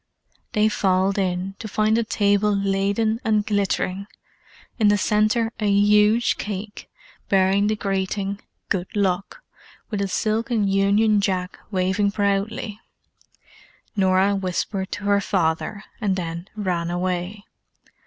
They filed in, to find a table laden and glittering; in the centre a huge cake, bearing the greeting, "Good Luck!" with a silken Union Jack waving proudly. Norah whispered to her father, and then ran away.